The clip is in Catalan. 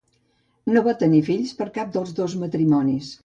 No va tenir fills per cap dels dos matrimonis.